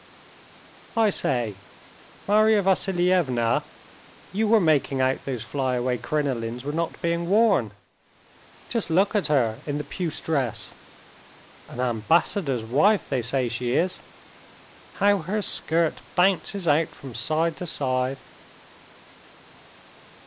"I say, Marya Vassilievna, you were making out those fly away crinolines were not being worn. Just look at her in the puce dress—an ambassador's wife they say she is—how her skirt bounces out from side to side!"